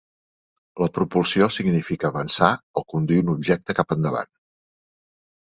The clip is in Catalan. La propulsió significa avançar o conduir un objecte cap endavant.